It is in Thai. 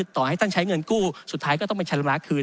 ต่อให้ท่านใช้เงินกู้สุดท้ายก็ต้องไปชำระคืน